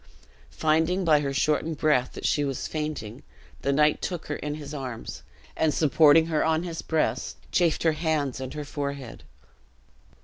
Finding, by her shortened breath, that she was fainting, the knight took her in his arms, and supporting her on his breast, chafed her hands and her forehead.